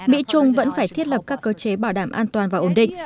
mỹ trung vẫn phải thiết lập các cơ chế bảo đảm an toàn và ổn định